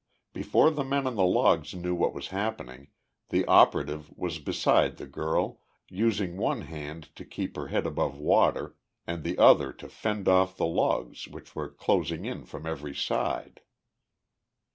Before the men on the logs knew what was happening, the operative was beside the girl, using one hand to keep her head above water, and the other to fend off the logs which were closing in from every side.